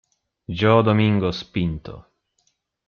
João Domingos Pinto